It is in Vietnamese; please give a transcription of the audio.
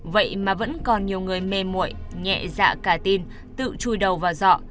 vậy mà vẫn còn nhiều người mê mội nhẹ dạ cả tin tự chui đầu vào dọ